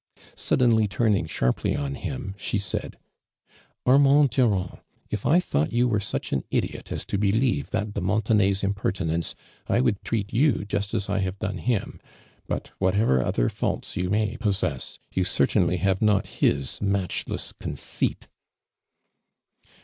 .Suildenly turning sharjily on him, she aid: ' .Armand Durand. it' 1 thought you were such an idiot as to believe that de ^[ontenay's im})('rtinence. I would treat YOU just as I hav(^ done him; but, what ever other faults you may i)Ossess, you oertiiinly hive not his matcliless conceit